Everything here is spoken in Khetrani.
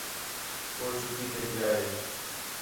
کُو چُھٹّی کَئی پِیا ہے